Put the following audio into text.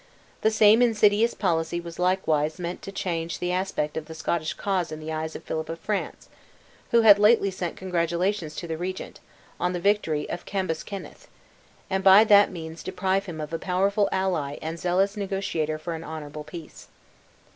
The same insidious policy was likewise meant to change the aspect of the Scottish cause in the eyes of Philip of France, who had lately sent congratulations to the regent, on the victory of Cambus Kenneth; and by that means deprive him of a powerful ally and zealous negotiator for an honorable peace.